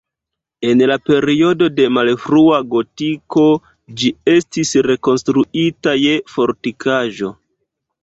En la periodo de malfrua gotiko ĝi estis rekonstruita je fortikaĵo.